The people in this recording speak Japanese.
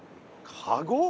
カゴ？